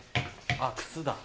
あっ靴だ。